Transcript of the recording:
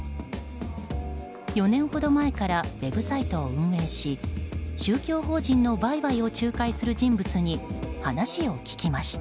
４年ほど前からウェブサイトを運営し宗教法人の売買を仲介する人物に話を聞きました。